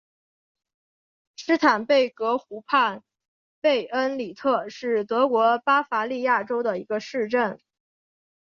施坦贝格湖畔贝恩里特是德国巴伐利亚州的一个市镇。